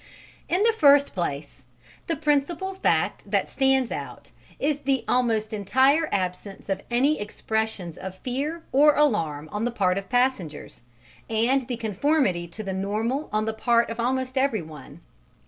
In the first place, the principal fact that stands out is the almost entire absence of any expressions of fear or alarm on the part of passengers, and the conformity to the normal on the part of almost everyone.